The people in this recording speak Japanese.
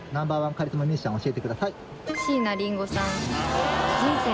カリスマミュージシャンを教えてください。